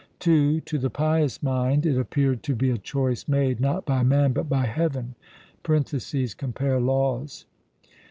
(2) To the pious mind it appeared to be a choice made, not by man, but by heaven (compare Laws).